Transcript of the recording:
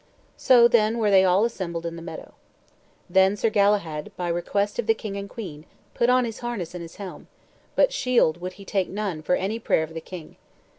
So then were they all assembled in the meadow. Then Sir Galahad, by request of the king and queen, put on his harness and his helm, but shield would he take none for any prayer of the king.